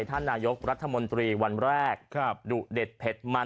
ท่านนายกรัฐมนตรีวันแรกดุเด็ดเผ็ดมัน